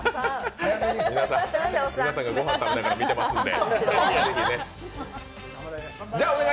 皆さんがご飯食べながら見てますんで。